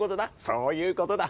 そういうことだ。